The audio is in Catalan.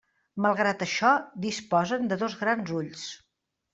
Malgrat això disposen de dos grans ulls.